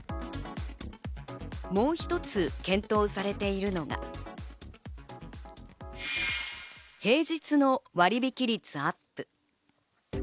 もう一つ検討されているのが、平日の割引率アップ。